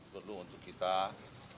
perlu untuk kita cairkan